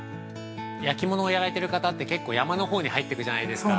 ◆焼き物をやられる方って結構山のほうに入ってくじゃないですか。